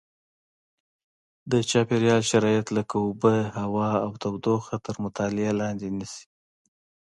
د چاپېریال شرایط لکه اوبه هوا او تودوخه تر مطالعې لاندې نیسي.